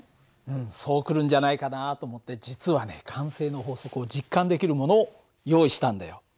うんそう来るんじゃないかなと思って実はね慣性の法則を実感できるものを用意したんだよ。